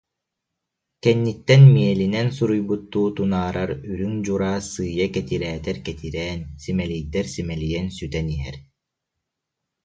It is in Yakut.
Кэнниттэн миэлинэн суруйбуттуу тунаарар үрүҥ дьураа сыыйа кэтирээтэр-кэтирээн, симэлийдэр-симэлийэн сүтэн иһэр